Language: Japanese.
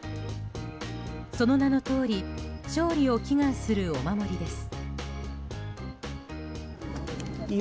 その名のとおり勝利を祈願するお守りです。